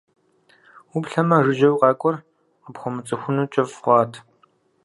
Уплъэмэ, жыжьэу къакӀуэр къыпхуэмыцӀыхуну кӀыфӀ хъуат.